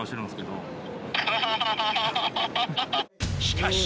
［しかし］